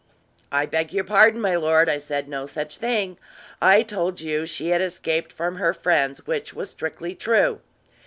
"I beg your pardon, my lord, I said no such thing. I told you she had escaped from her friends, which was strictly true."